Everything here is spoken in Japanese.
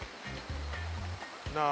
なあ。